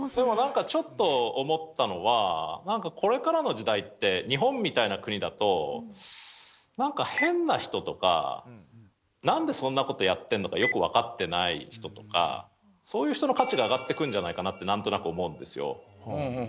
なんかちょっと思ったのは、なんかこれからの時代って、日本みたいな国だと、なんか変な人とか、なんでそんなことやってんのかよく分かってない人とか、そういう人の価値が上がっていくんじゃないかなってなんとなく思うんですよ。